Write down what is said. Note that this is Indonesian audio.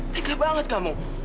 tega banget kamu